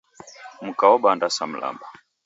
Mka obanda sa mlamba.